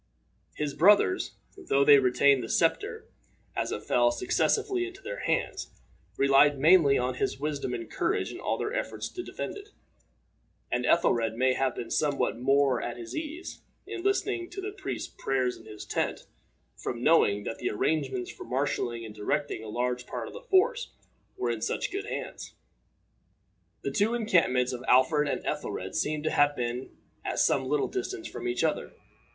His brothers, though they retained the scepter, as it fell successively into their hands, relied mainly on his wisdom and courage in all their efforts to defend it, and Ethelred may have been somewhat more at his ease, in listening to the priest's prayers in his tent, from knowing that the arrangements for marshaling and directing a large part of the force were in such good hands. The two encampments of Alfred and Ethelred seem to have been at some little distance from each other.